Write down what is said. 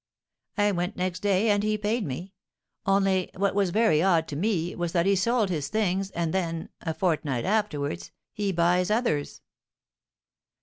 I went next day, and he paid me; only, what was very odd to me was that he sold his things, and then, a fortnight afterwards, he buys others."